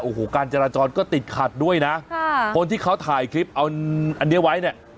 โอ้โหการจราจรก็ติดขัดด้วยนะค่ะคนที่เขาถ่ายคลิปเอาอันนี้ไว้เนี่ย